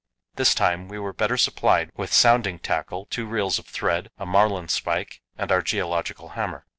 This time we were better supplied with sounding tackle two reels of thread, a marlinspike, and our geological hammer.